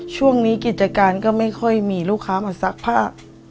ช่วงนี้กิจการก็ไม่ค่อยมีลูกค้ามาซักผ้า